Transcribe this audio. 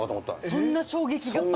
そんな衝撃が？